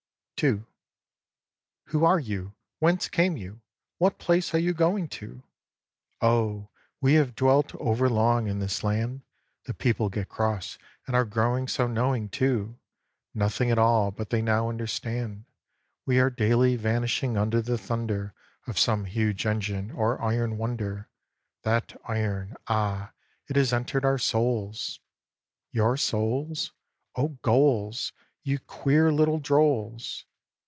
II "Who are you? Whence came you? What place are you going to?" "Oh, we have dwelt over long in this land; The people get cross, and are growing so knowing, too! Nothing at all but they now understand; We are daily vanishing under the thunder Of some huge engine or iron wonder; That iron, ah! it has entered our souls!" " Your souls? O gholes, You queer little drolls!